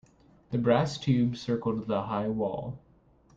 The brass tube circled the high wall.